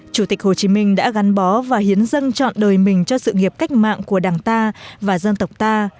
chủ tịch hồ chí minh đã gắn bó và hiến dân chọn đời mình cho sự nghiệp cách mạng của đảng ta và dân tộc ta